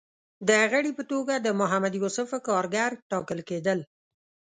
د غړي په توګه د محمد یوسف کارګر ټاکل کېدل